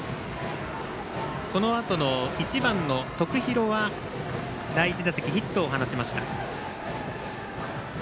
このあとの１番の徳弘は第１打席、ヒットを放ちました。